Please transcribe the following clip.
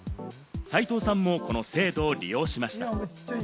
齋藤さんもこの制度を利用しました。